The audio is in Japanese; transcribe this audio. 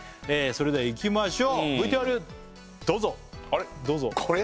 それではいきましょうＶＴＲどうぞあれっこれ？